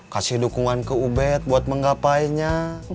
kasih dukungan ke ubed buat menggapainya